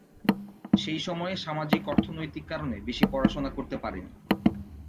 সেই সময়ে সামাজিক অর্থনৈতিক কারণে বেশি পড়াশোনা করতে পারে নি।